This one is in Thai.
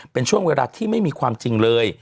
เป็นช่วงเวลาที่ไม่มีความจริงเลย